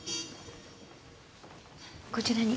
こちらに。